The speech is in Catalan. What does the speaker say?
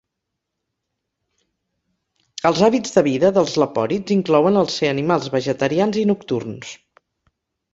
Els hàbits de vida dels lepòrids inclouen el ser animals vegetarians i nocturns.